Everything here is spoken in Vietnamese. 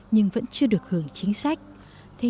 nhưng vẫn chưa được hưởng chính sách